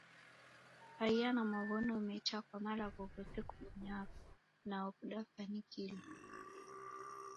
Kaiya na maw'ono mecha kwa malagho ghose kubonyagha, nao kudafanikilwa.